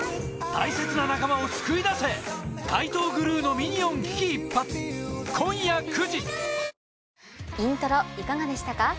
大切な仲間を救い出せ『イントロ』いかがでしたか？